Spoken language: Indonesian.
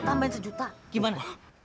gue tambahin sejuta gimana